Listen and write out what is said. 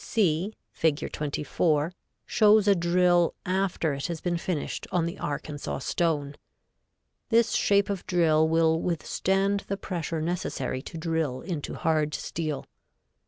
C, Fig. 24, shows a drill after it has been finished on the Arkansas stone. This shape of drill will withstand the pressure necessary to drill into hard steel.